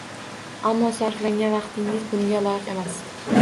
Ammo sarflagan vaqtingiz bunga loyiq emas